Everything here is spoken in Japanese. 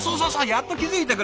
やっと気付いてくれた！